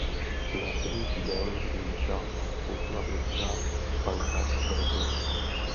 Následující den její část koupila britská banka Barclays.